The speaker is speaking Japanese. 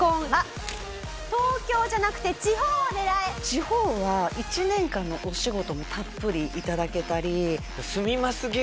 地方は１年間のお仕事もたっぷり頂けたり。